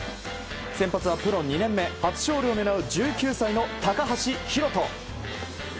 先発はプロ２年目初勝利を狙う１９歳の高橋宏斗。